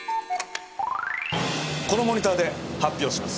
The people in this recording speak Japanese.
このモニターで発表します！